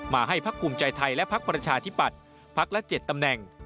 ให้พักภูมิใจไทยและพักประชาธิปัตย์พักละ๗ตำแหน่ง